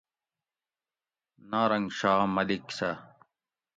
نارنگ شاہ ملیک سہ